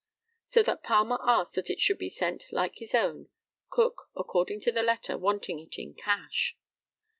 So that Palmer asked that it should be sent like his own, Cook, according to the letter, wanting it in cash.